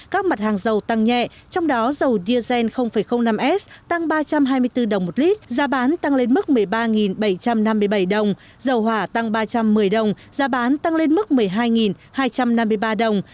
các mặt hàng dầu tăng nhẹ trong đó dầu diesel năm s tăng ba trăm hai mươi bốn đồng một lít giá bán tăng lên mức một mươi ba bảy trăm năm mươi bảy đồng dầu hỏa tăng ba trăm một mươi đồng giá bán tăng lên mức một mươi hai hai trăm năm mươi ba đồng